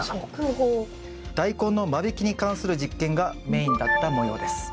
ダイコンの間引きに関する実験がメインだったもようです。